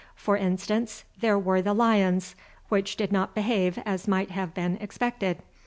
For instance, there were the lions, which did not behave as might have been expected.